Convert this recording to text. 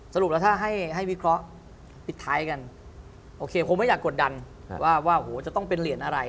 สรุปแล้วถ้าให้วิเคราะห์ปิดท้ายกันโอเคคงไม่อยากกดดันว่าจะต้องเป็นเหรียญอะไร